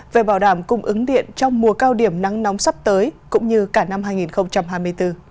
về bảo đảm cung ứng điện trong mùa cao điểm nắng nóng sắp tới cũng như cả năm hai nghìn hai mươi bốn